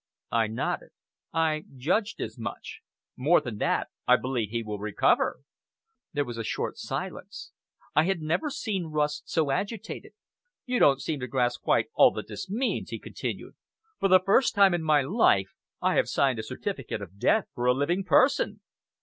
I nodded. "I judged as much." "More than that! I believe he will recover!" There was a short silence. I had never seen Rust so agitated. "You don't seem to grasp quite all that this means," he continued. "For the first time in my life, I have signed a certificate of death for a living person!"